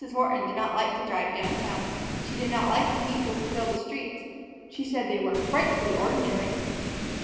Horton did not like to drive down town. She did not like the people who filled the streets. She said they were "frightfully ordinary."